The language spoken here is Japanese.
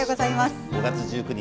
５月１９日